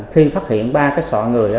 khi phát hiện ba cái sọ người